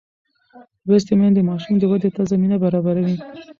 لوستې میندې د ماشوم ودې ته زمینه برابروي.